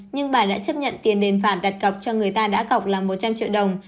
nhưng bà đã chấp nhận tiền đền phạt đặt cọc cho người ta đã cọc là một trăm linh triệu đồng